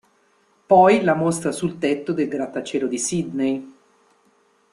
Poi la mostra sul tetto del grattacielo di Sydney.